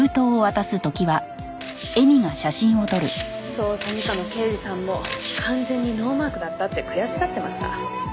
捜査二課の刑事さんも完全にノーマークだったって悔しがってました。